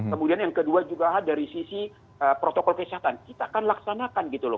kemudian yang kedua juga dari sisi protokol kesehatan kita akan laksanakan gitu loh